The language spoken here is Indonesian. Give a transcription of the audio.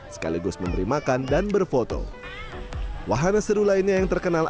sekaligus memberi makan dan berfungsi